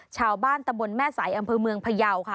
ชาวบ้านตำบลแม่สายอำเภอเมืองพยาวค่ะ